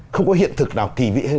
không có hiện thực nào kỳ vĩ